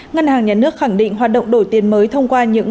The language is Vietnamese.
ngân hàng nhà nước khẳng định hoạt động đổi tiền mới thông qua những